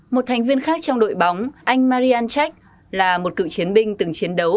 một thành viên khác trong đội bóng anh marian cech là một cựu chiến binh từng chiến đấu